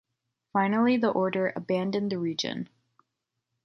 Finally the order abandoned the region.